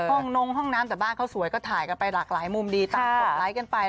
ห้องนงห้องน้ำแต่บ้านเขาสวยก็ถ่ายกันไปหลากหลายมุมดีต่างกดไลค์กันไป